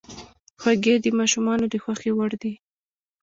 خوږې د ماشومانو د خوښې وړ دي.